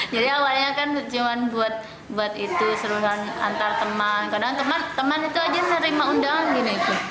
jadi awalnya kan cuma buat itu seru antar teman kadang teman itu aja nerima undangan gini